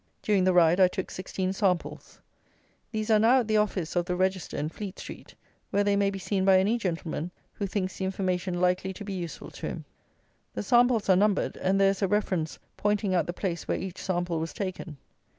During the ride I took sixteen samples. These are now at the Office of the Register, in Fleet street, where they may be seen by any gentleman who thinks the information likely to be useful to him. The samples are numbered, and there is a reference pointing out the place where each sample was taken.